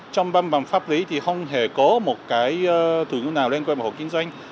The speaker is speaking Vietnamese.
trong văn bản pháp lý thì không hề có một cái thứ nào liên quan đến hộ kinh doanh